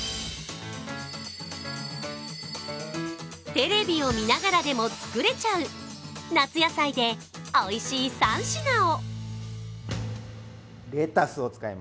テレビを見ながらでも作れちゃう、夏野菜でおいしい３品を。